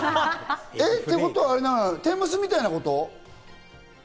ってことは、天むすみたいなこと？